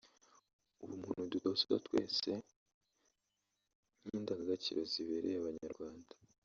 ubumuntu dutozwa twese nk’indangagaciro zibereye Abanyarwanda